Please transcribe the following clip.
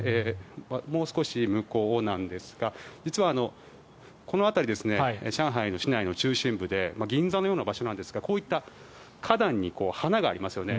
もう少し向こうなんですが実はこの辺り上海の市内の中心部で銀座のような場所なんですがこういった花壇に花がありますよね。